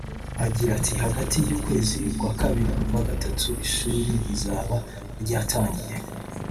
Agira ati “Hagati y’ukwezi kwa kabiri n’ukwa gatatu ishuri rizaba ryatangiye